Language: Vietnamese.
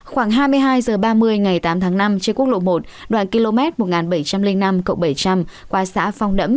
khoảng hai mươi hai h ba mươi ngày tám tháng năm trên quốc lộ một đoạn km một nghìn bảy trăm linh năm bảy trăm linh qua xã phong nẫm